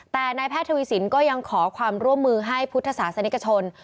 แต่นายแพทย์ทวีสินก็ยังขอความร่วมมือให้พุทธศาสนิกชน